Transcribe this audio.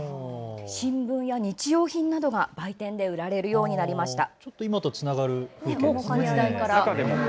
新聞や日用品などが売店で売られるようになりました。